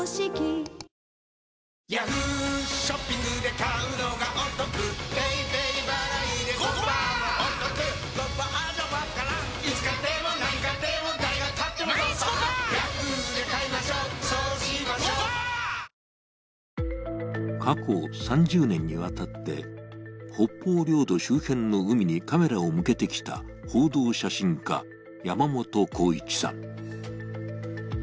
カロカロカロカロカロリミット過去３０年にわたって北方領土周辺の海にカメラを向けてきた報道写真家山本皓一さん。